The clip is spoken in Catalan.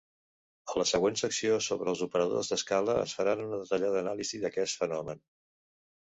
A la següent secció sobre els operadors d'escala es farà una detallada anàlisi d'aquest fenomen.